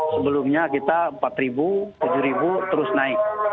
sebelumnya kita empat ribu tujuh terus naik